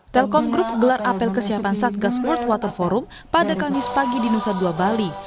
telkom group gelar apel kesiapan satgas sport water forum pada kamis pagi di nusa dua bali